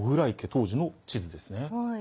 当時の地図ですね。